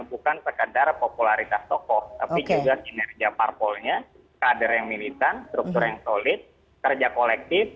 bukan sekedar popularitas tokoh tapi juga kinerja parpolnya kader yang militan struktur yang solid kerja kolektif